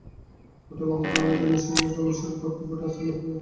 অটল অন্ধকারের মধ্যে নিশ্বাসস্পন্দিত রমেশের বক্ষপটে আশ্রয় লাভ করিয়া সে আরাম বোধ করিল।